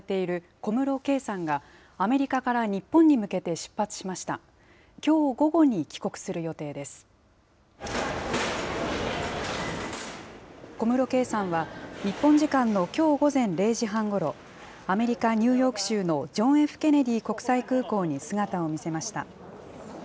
小室圭さんは、日本時間のきょう午前０時半ごろ、アメリカ・ニューヨーク州のジョン・Ｆ・ケネディ国際空港に姿を見せました。